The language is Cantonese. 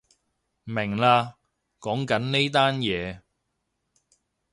明喇，講緊呢單嘢